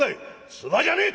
「唾じゃねえ！